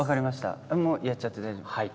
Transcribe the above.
もうやっちゃって大丈夫ですか？